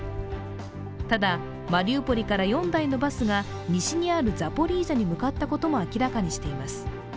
ただ、マリウポリから４台のバスが西にあるザポリージャに向かったことも明らかにしています。